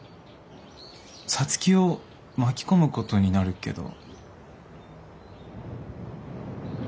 皐月を巻き込むことになるけど。